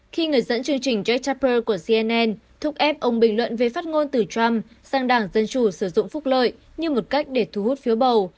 khi người dẫn chương trình jakt chaper của cnn thúc ép ông bình luận về phát ngôn từ trump sang đảng dân chủ sử dụng phúc lợi như một cách để thu hút phiếu bầu